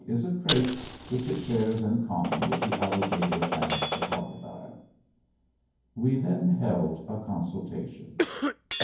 is a trait which it shares in common with the Alligator and the Crocodile. We then held a consultation.